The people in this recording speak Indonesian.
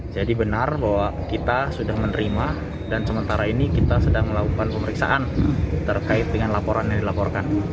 jadi benar bahwa kita sudah menerima dan sementara ini kita sedang melakukan pemeriksaan terkait dengan laporan yang dilaporkan